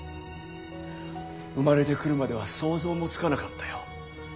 生まれてくるまでは想像もつかなかったよ。